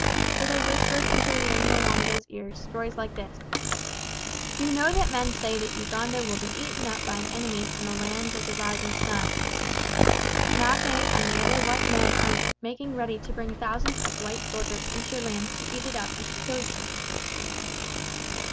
So they whispered into the young M'wanga's ears stories like this: "You know that men say that Uganda will be eaten up by an enemy from the lands of the rising sun. Mackay and the other white men are making ready to bring thousands of white soldiers into your land to 'eat it up' and to kill you."